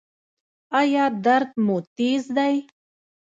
ایا درد مو تېز دی؟